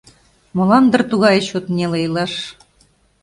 Молан дыр тугае чот неле илаш.